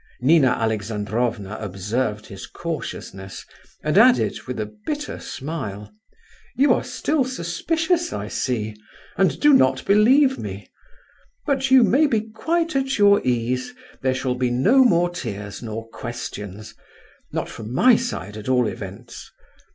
Nina Alexandrovna observed his cautiousness and added, with a bitter smile: "You are still suspicious, I see, and do not believe me; but you may be quite at your ease. There shall be no more tears, nor questions—not from my side, at all events.